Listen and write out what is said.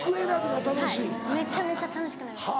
はいめちゃめちゃ楽しくなりました。